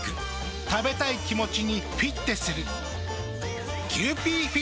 食べたい気持ちにフィッテする。